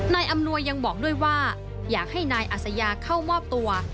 อำนวยยังบอกด้วยว่าอยากให้นายอัศยาเข้ามอบตัว